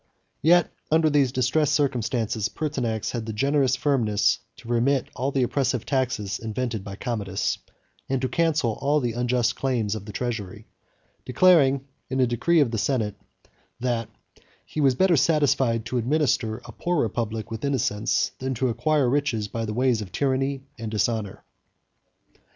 Yet under these distressed circumstances, Pertinax had the generous firmness to remit all the oppressive taxes invented by Commodus, and to cancel all the unjust claims of the treasury; declaring, in a decree of the senate, "that he was better satisfied to administer a poor republic with innocence, than to acquire riches by the ways of tyranny and dishonor."